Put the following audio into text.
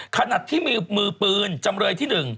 ขนาดที่มือปืนจำเลยที่๑